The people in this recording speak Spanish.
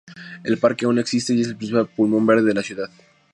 El parque aún existe y es el principal pulmón verde de la ciudad.